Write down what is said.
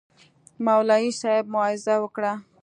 مولوي صاحب موعظه وکړه.